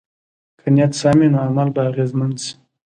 که نیت سم وي، نو عمل به اغېزمن شي.